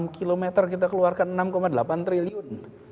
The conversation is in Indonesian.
enam km kita keluarkan enam delapan triliun